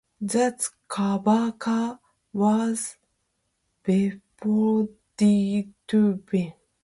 The Kabaka was deported to Britain.